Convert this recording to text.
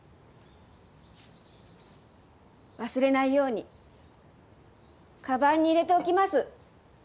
忘れないようにかばんに入れておきます。